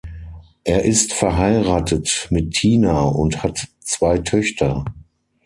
Er ist verheiratet mit Tina und hat zwei Töchter.